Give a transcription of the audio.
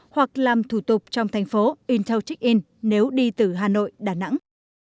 hoặc làm thủ tục trong thành phố intel check in nếu đi từ hà nội đà nẵng